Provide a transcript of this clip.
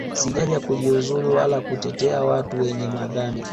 Sijaja kujiuzulu wala kutetea watu wenye madhambi